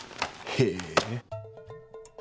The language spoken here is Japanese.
へえ。